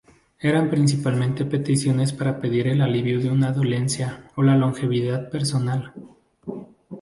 Eran principalmente peticiones para pedir el alivio de una dolencia o la longevidad personal.